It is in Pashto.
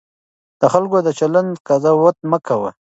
د خلکو د چلند قضاوت مه کوه.